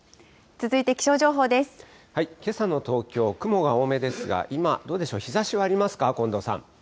けさの東京、雲が多めですが、今、どうでしょう、日ざしはありますか？